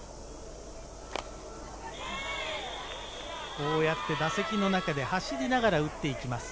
こうやって打席の中で走りながら打っていきます。